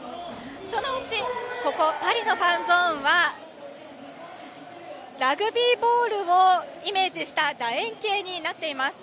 そのうち、ここパリのファンゾーンはラグビーボールをイメージしただ円形になっています。